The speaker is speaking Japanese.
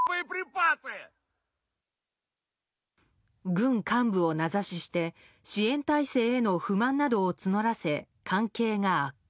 軍幹部を名指しして支援体制への不満などを募らせ関係が悪化。